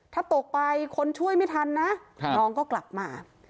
ถ้าตกไปคนช่วยไม่ทันนะน้องก็กลับมา